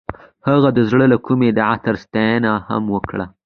هغې د زړه له کومې د عطر ستاینه هم وکړه.